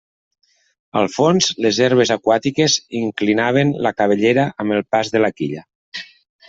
Al fons, les herbes aquàtiques inclinaven la cabellera amb el pas de la quilla.